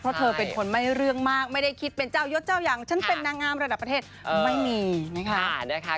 เพราะเธอเป็นคนไม่เรื่องมากไม่ได้คิดเป็นเจ้ายดเจ้าอย่างฉันเป็นนางงามระดับประเทศไม่มีนะคะ